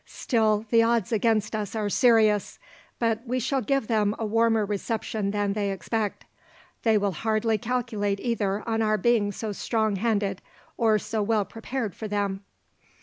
Still the odds against us are serious, but we shall give them a warmer reception than they expect. They will hardly calculate either on our being so strong handed, or so well prepared for them."